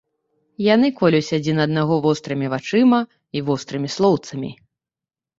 Яны колюць адзін аднаго вострымі вачыма і вострымі слоўцамі.